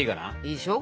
いいでしょ？